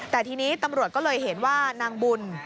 แต่ทีนี้ตำรวจก็เลยเห็นว่านางบุญ